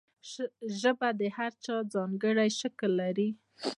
ژبه د هر چا ځانګړی شکل لري.